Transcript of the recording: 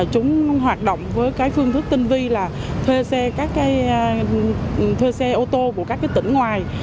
chúng hoạt động với phương thức tinh vi là thuê xe ô tô của các tỉnh ngoài